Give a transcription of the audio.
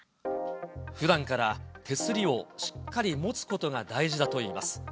ふだんから手すりをしっかり持つことが大事だといいます。